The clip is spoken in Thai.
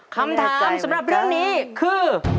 คำถามสำหรับเรื่องนี้คือ